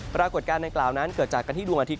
ปรากฏการณ์ดังกล่าวนั้นเกิดจากการที่ดวงอาทิต